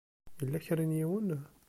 Yella kra n yiwen?